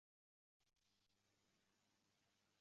Bir mahal qulog‘imga dilni orziqtiruvchi mungli tovush chalindi.